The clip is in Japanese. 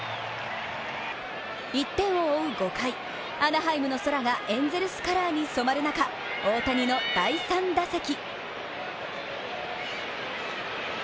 １点を追う５回、アナハイムの空がエンゼルスカラーに染まる中大谷の第３打席。